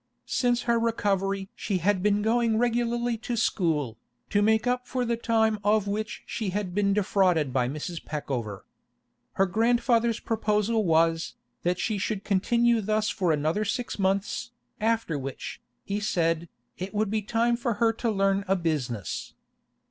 Since her recovery she had been going regularly to school, to make up for the time of which she had been defrauded by Mrs. Peckover. Her grandfather's proposal was, that she should continue thus for another six months, after which, he said, it would be time for her to learn a business.